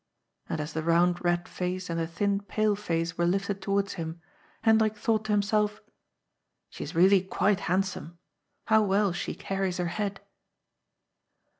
And as the round red face and the thin pale face were lifted towards him, Hen drik thought to himself: "she is really quite handsome! How well she carries her head